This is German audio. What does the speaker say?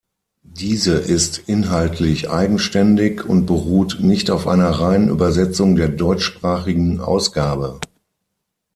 Diese ist inhaltlich eigenständig und beruht nicht auf einer reinen Übersetzung der deutschsprachigen Ausgabe.